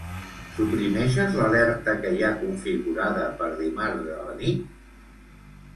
Suprimeixes l'alerta que hi ha configurada per dimarts a la nit?